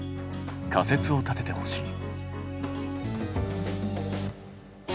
仮説を立ててほしい。